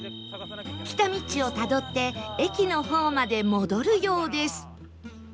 来た道をたどって駅の方まで戻るようです